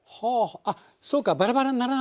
あっそうかバラバラにならないように。